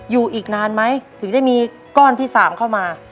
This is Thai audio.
อยู่อีกนานไหมถึงได้มีก้อนที่๓เข้ามา